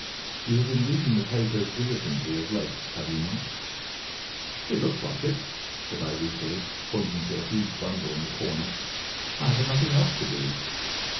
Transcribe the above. You have been reading the papers diligently of late, have you not?" "It looks like it," said I ruefully, pointing to a huge bundle in the corner. "I have had nothing else to do."